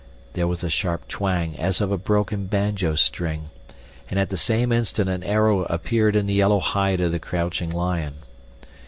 There was a sharp twang as of a broken banjo string, and at the same instant an arrow appeared in the yellow hide of the crouching lion.